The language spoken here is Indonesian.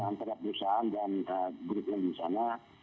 antara perusahaan dan grup yang disana